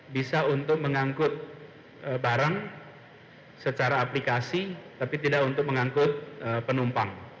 bisa untuk mengangkut barang secara aplikasi tapi tidak untuk mengangkut penumpang